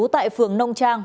tại phường nông trang